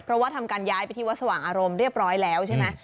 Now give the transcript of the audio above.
เพราะว่าทำการย้ายไปที่วัดสว่างอารมณ์เรียบร้อยแล้วใช่ไหม